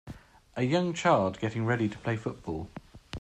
A young child getting ready to play football.